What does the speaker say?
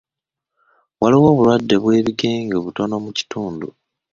Waliwo obulwadde bw'ebigenge butono mu kitundu.